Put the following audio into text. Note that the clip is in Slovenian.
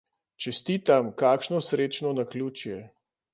Čestitam, kakšno srečno naključje.